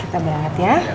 kita berangkat ya